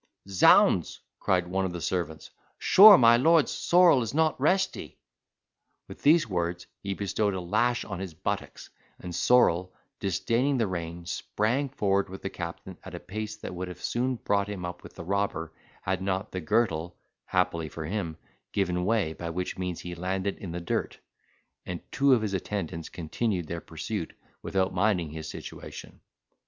"Z—ds!", cried one of the servants, "sure my lord's Sorrel is not resty!" With these words he bestowed a lash on his buttocks, and Sorrel, disdaining the rein sprang forward with the captain at a pace that would have soon brought him up with the robber, had not the girtle (happily for him) given way, by which means he landed in the dirt; and two of his attendants continued their pursuit, without minding his situation.